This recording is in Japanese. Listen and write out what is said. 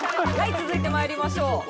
続いてまいりましょう。